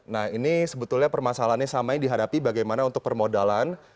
nah ini sebetulnya permasalahannya sama yang dihadapi bagaimana untuk permodalan